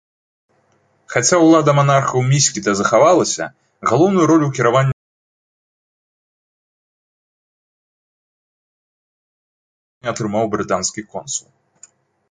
Хаця ўлада манархаў міскіта захавалася, галоўную ролю ў кіраванні атрымаў брытанскі консул.